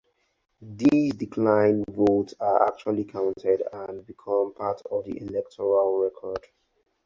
These declined votes are actually counted and become part of the electoral record.